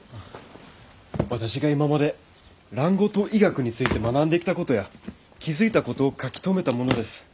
私が今まで蘭語と医学について学んできたことや気付いたことを書き留めたものです。